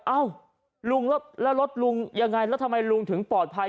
เอ้าลุงแล้วรถลุงยังไงแล้วทำไมลุงถึงปลอดภัย